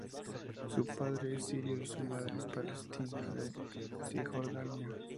Su padre es sirio y su madre es palestina de Cisjordania.